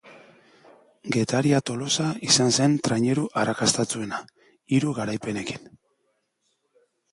Getaria-Tolosa izan zen traineru arrakastatsuena, hiru garaipenekin.